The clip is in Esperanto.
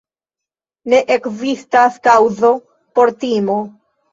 Ne ekzistas kaŭzo por timo.